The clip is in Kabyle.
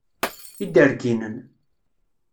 Iderginen.